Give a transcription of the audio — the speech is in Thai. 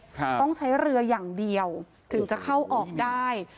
ต้องใช้เรืออย่างเดียวถึงจะเข้าออกได้